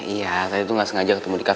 iya tadi tuh gak sengaja ketemu di kamar